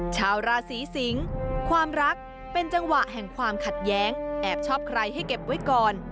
ชาวราศีสิงความรักเป็นจังหวะแห่งความขัดแย้งแอบชอบใครให้เก็บไว้ก่อน